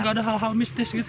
gak ada hal hal mistis gitu